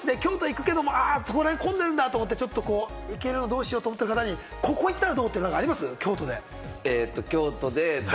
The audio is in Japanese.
京都行くけど、そこらへん混んでるなと思って行けるかな、どうしようかなと思ってる方にここ行ったらどう？っていうのあります？